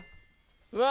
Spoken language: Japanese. うわ